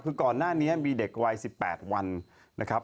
คือก่อนหน้านี้มีเด็กวัย๑๘วันนะครับ